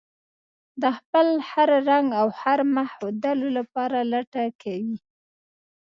د خپل هر رنګ او هر مخ ښودلو لپاره لټه کوي.